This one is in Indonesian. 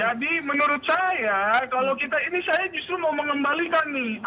jadi menurut saya kalau kita ini saya justru mau mengembalikan nih